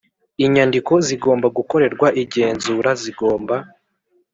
Inyandiko zigomba gukorerwa igenzura zigomba